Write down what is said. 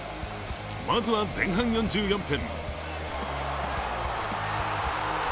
まずは前半４４分。